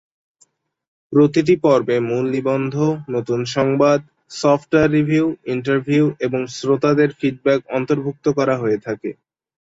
প্রতিটি পর্বে মূল নিবন্ধ, নতুন সংবাদ, সফটওয়্যার রিভিউ, ইন্টারভিউ এবং শ্রোতাদের ফিডব্যাক অন্তর্ভুক্ত করা হয়ে থাকে।